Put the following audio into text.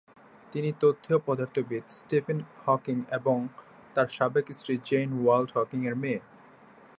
তিনি তত্ত্বীয় পদার্থবিদ স্টিফেন হকিং এবং তার সাবেক স্ত্রী জেইন ওয়াল্ড হকিং এর মেয়ে।